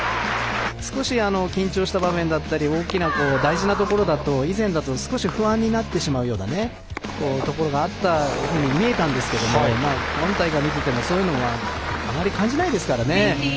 少し緊張した場面だったり大きな大事なところだと以前だと少し不安になってしまうことがあるように見えたんですけども今大会、見ていてもそういうのはあまり感じないですからね。